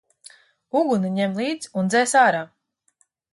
Uguni ņem līdz un dzēs ārā!